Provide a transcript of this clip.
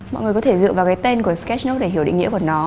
mọi người có thể dựa vào cái tên của sketch note để hiểu định nghĩa của nó